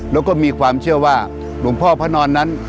แล้วก็มีความเชื่อว่าหลวงพ่อพระนอนนั้น